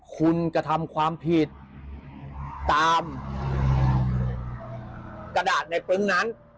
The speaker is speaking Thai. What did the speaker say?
คุณกระทำความผิดตามกระดาษในปึ๊งนั้น